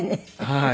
はい。